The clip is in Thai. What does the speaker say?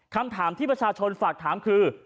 คำถามที่ประชาชนฝากถามคือ